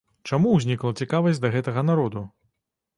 Чаму ўзнікла цікавасць да гэтага народу?